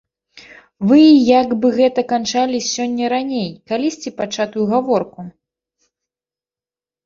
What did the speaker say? Вы як бы гэта канчалі сёння раней калісьці пачатую гаворку?